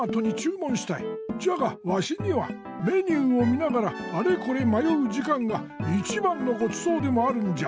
じゃがワシにはメニューをみながらあれこれまようじかんがいちばんのごちそうでもあるんじゃ。